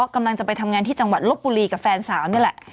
กำลังจะไปทำงานที่จังหวัดลบบุรีกับแฟนสาวนี่แหละ